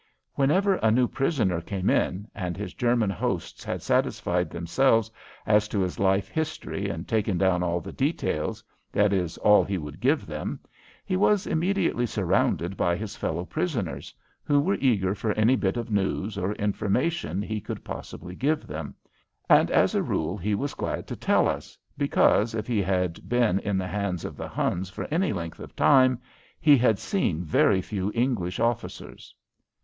Whenever a new prisoner came in and his German hosts had satisfied themselves as to his life history and taken down all the details that is, all he would give them he was immediately surrounded by his fellow prisoners, who were eager for any bit of news or information he could possibly give them, and as a rule he was glad to tell us because, if he had been in the hands of the Huns for any length of time, he had seen very few English officers.